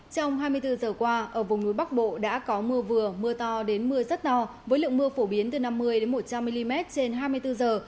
trong hai mươi bốn giờ qua ở vùng núi bắc bộ đã có mưa vừa mưa to đến mưa rất to với lượng mưa phổ biến từ năm mươi một trăm linh mm trên hai mươi bốn giờ